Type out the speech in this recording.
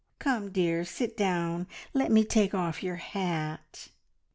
Come, dear, sit down! Let me take off your hat."